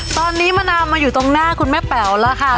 ตอนนี้มะนาวมาอยู่ตรงหน้าคุณแม่แป๋วแล้วค่ะ